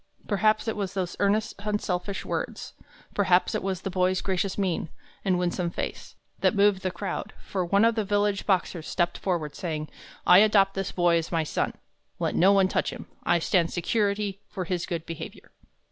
Perhaps it was those earnest, unselfish words, perhaps it was the boy's gracious mien and winsome face, that moved the crowd; for one of the village Boxers stepped forward, saying: "I adopt this boy as my son. Let no one touch him. I stand security for his good behavior."